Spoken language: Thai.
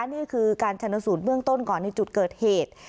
นี่คือการชนสูตรเบื้องต้นก่อนในจุดเกิดเหตุ